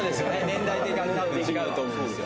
年代でたぶん違うと思うんですよ